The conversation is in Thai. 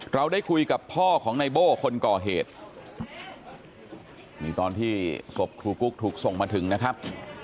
เราได้คุยกับพ่อของในโบ้คนก่อเหตุนี่ตอนที่ศพครูกุ๊กถูกส่งมาถึงนะครับ